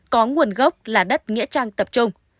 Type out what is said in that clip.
có nguồn gốc là đất nghĩa trang tập trung